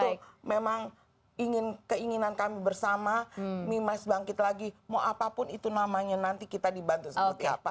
kalau memang keinginan kami bersama mimiles bangkit lagi mau apapun itu namanya nanti kita dibantu seperti apa